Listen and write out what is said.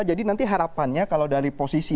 jadi nanti harapannya kalau dari posisi